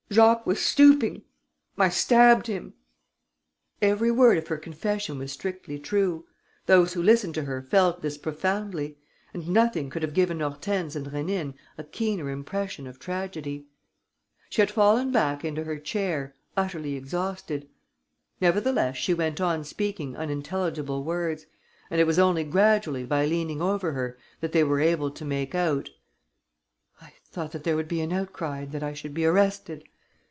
Jacques was stooping ... I stabbed him...." Every word of her confession was strictly true. Those who listened to her felt this profoundly; and nothing could have given Hortense and Rénine a keener impression of tragedy. She had fallen back into her chair, utterly exhausted. Nevertheless, she went on speaking unintelligible words; and it was only gradually by leaning over her, that they were able to make out: "I thought that there would be an outcry and that I should be arrested.